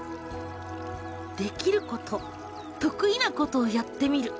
「できること得意なことをやってみる」。